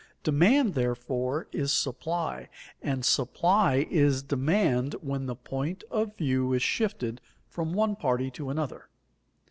Demand, therefore, is supply, and supply is demand when the point of view is shifted from one party to another.